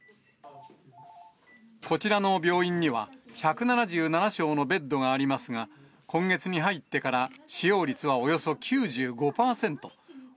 こちらの病院には、１７７床のベッドがありますが、今月に入ってから、使用率はおよそ９５％。